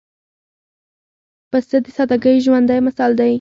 پسه د سادګۍ ژوندى مثال دی.